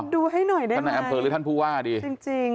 ดูให้หน่อยได้ไหมจริง